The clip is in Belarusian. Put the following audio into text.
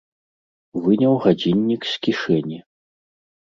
Выняў гадзіннік з кішэні.